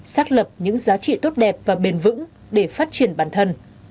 xác lập những giá trị tốt đẹp và bền vững để phát triển bản thân